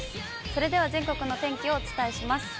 それでは全国の天気をお伝えします。